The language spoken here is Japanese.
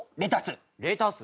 レタス。